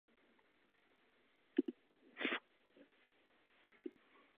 Důl byl založen v podobnou dobu.